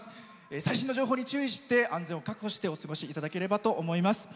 最新の情報に注意して安全を確保してお過ごしいただければと思います。